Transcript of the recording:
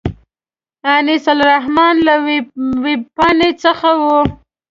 انیس الرحمن له وېبپاڼې څخه و.